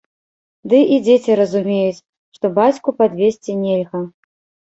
Ды і дзеці разумеюць, што бацьку падвесці нельга.